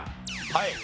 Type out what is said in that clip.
はい。